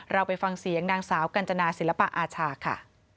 เราไปฟังเสียงนางสาวกัญจนาศิลปะอาชาค่ะ